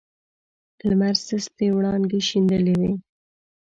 لمر سستې وړانګې شیندلې وې.